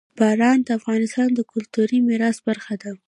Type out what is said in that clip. باران د افغانستان د کلتوري میراث برخه ده.